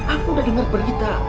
aku sudah dengar berita